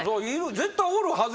絶対おるはずやし。